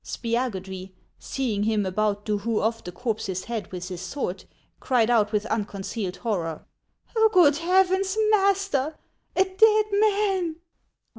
Spiagudry, seeing him about to hew off the corpse's head with his sword, cried out with unconcealed horror, " Good heavens ! master ! A dead man